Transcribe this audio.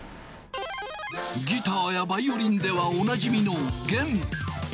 ギターやバイオリンではおなじみの弦。